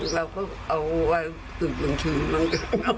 เราก็เอาไว้ตื่นถึงบางทีมั้ง